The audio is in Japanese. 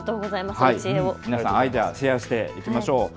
皆さん、アイデアシェアしていきましょう。